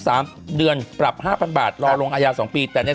สามเดือนปรับห้าพันบาทรอลงอายาสองปีแต่เนี้ย